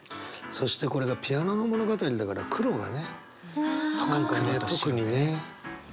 そしてこれがピアノの物語だから苦労がね何かね特にね。